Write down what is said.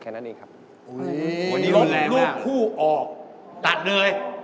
ลบรูปคู่ออกตัดเลย